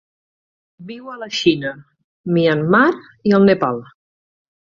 Viu a la Xina, Myanmar i el Nepal.